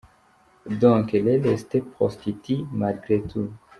Donc elle reste prostituee malgre tout.